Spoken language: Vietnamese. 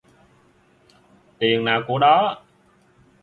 Tiền nào của đó